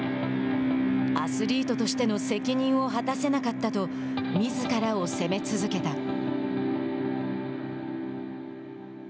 アスリートとしての責任を果たせなかったとみずからを責め続けた。